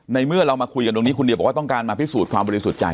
เมื่อเรามาคุยกันตรงนี้คุณเดียบอกว่าต้องการมาพิสูจน์ความบริสุทธิ์ใจ